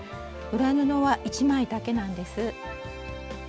裏布は１枚だけなんです。